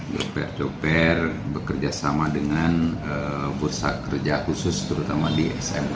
job pair job pair bekerja sama dengan pusat kerja khusus terutama di smk smk